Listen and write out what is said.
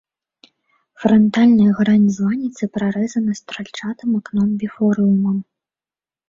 Франтальная грань званіцы прарэзана стральчатым акном-біфорыумам.